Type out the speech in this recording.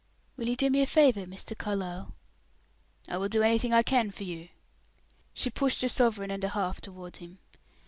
"Will you do me a favor, Mr. Carlyle?" "I will do anything I can for you." She pushed a sovereign and a half toward him.